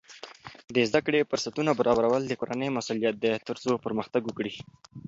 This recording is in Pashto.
د زده کړې فرصتونه برابرول د کورنۍ مسؤلیت دی ترڅو پرمختګ وکړي.